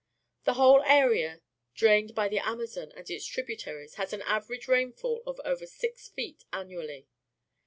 The whole area drained by the Amazon and its tributaries has an average rainfall of over six feet annually.